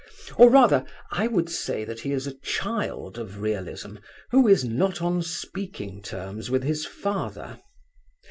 Or rather I would say that he is a child of realism who is not on speaking terms with his father.